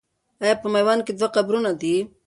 آیا په میوند کې دوه قبرونه دي؟